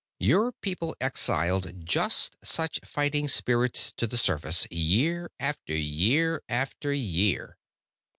Your people exiled just such fighting spirits to the surface, year after year after year.